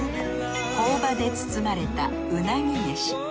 朴葉で包まれたうなぎめし。